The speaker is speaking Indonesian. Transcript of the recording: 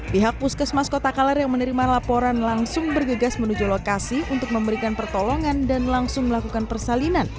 pihak puskesmas kota kaler yang menerima laporan langsung bergegas menuju lokasi untuk memberikan pertolongan dan langsung melakukan persalinan